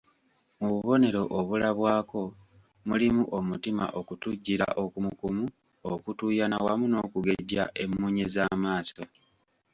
Mu bubonero obulabwako mulimu omutima okutujjira okumukumu, okutuuyana wamu n'okugejja emmunye z'amaaso